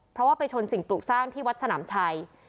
เพราะว่าไปชนสิ่งปลูกสร้างที่วัดสนามชัย